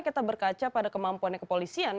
kita berkaca pada kemampuannya kepolisian